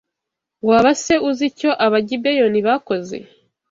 Waba se uzi icyo Abagibeyoni bakoze